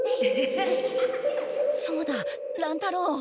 そうだ乱太郎。